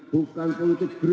bukan kutip berduo